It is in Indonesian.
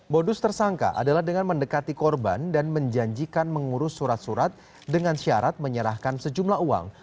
modus tersangka adalah dengan mendekati korban dan menjanjikan mengurus surat surat dengan syarat menyerahkan sejumlah uang